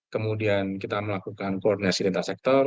kemudian kita melakukan koordinasi dental sector